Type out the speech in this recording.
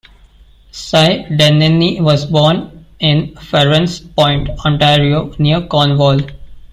Cy Denneny was born in Farran's Point, Ontario, near Cornwall.